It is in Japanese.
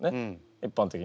一般的に。